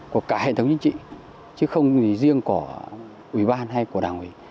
của cả hệ thống chính trị chứ không gì riêng của ủy ban hay của đảng ủy